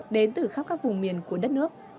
đến từ khắp các vùng miền của đất nước